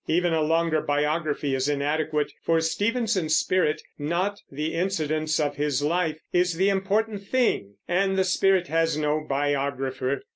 Even a longer biography is inadequate, for Stevenson's spirit, not the incidents of his life, is the important thing; and the spirit has no biographer.